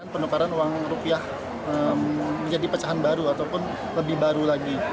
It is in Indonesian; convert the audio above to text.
penukaran uang rupiah menjadi pecahan baru ataupun lebih baru lagi